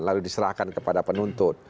lalu diserahkan kepada penuntut